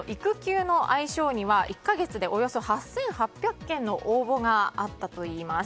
今回の育休の愛称には１か月でおよそ８８００件の応募があったといいます。